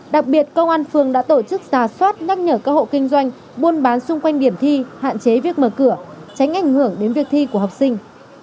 đặc biệt công an phường đã tổ chức giả soát nhắc nhở các hộ kinh doanh buôn bán xung quanh điểm thi hạn chế việc mở cửa tránh ảnh hưởng đến việc thi của học sinh